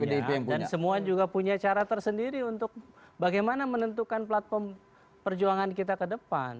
dan semua juga punya cara tersendiri untuk bagaimana menentukan platform perjuangan kita ke depan